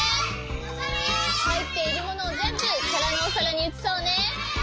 はいっているものをぜんぶからのおさらにうつそうね。